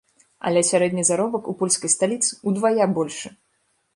Але сярэдні заробак у польскай сталіцы ўдвая большы!